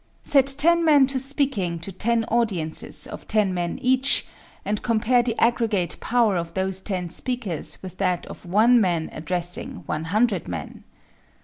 Set ten men to speaking to ten audiences of ten men each, and compare the aggregate power of those ten speakers with that of one man addressing one hundred men.